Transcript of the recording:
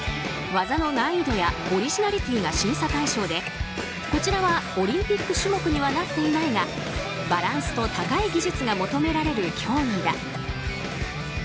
技の難易度やオリジナリティーが審査対象でこちらはオリンピック種目にはなっていないがバランスと高い技術が求められる競技だ。